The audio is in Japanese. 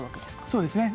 そうですね。